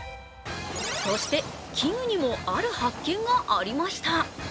そして器具にもある発見がありました。